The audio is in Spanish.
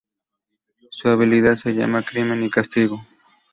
Su habilidad se llama "Crimen y castigo".